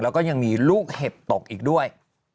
แล้วก็ยังมีลูกเห็บตกอีกด้วย